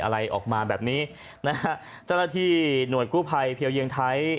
อะไรออกมาแบบนี้นะฮะเจ้าหน้าที่หน่วยกู้ภัยเพียวเยียงไทย